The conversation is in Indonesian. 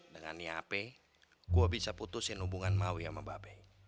dengan iap gue bisa putusin hubungan maui sama mbak be